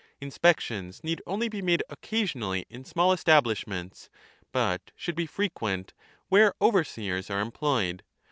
Inspections need only be made occasionally in small establishments, but should be frequent where overseers are employed.